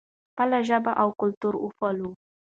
خپله ژبه او کلتور وپالو.